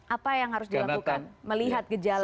apa yang harus dilakukan melihat gejala